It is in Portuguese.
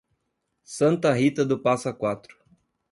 Santa Rita do Passa Quatro